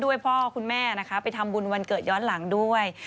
พ่อคุณแม่นะคะไปทำบุญวันเกิดย้อนหลังด้วย